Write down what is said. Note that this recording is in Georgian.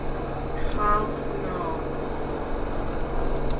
ხალხნოოოოოოოოოოოოოოო